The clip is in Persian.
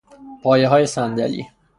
پایههای صندلی